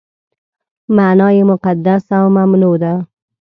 معنا یې مقدس او ممنوع ده.